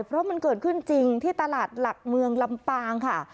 เพราะมันเกิดขึ้นจริงที่ตลาดหลักเมืองลำปางค่ะ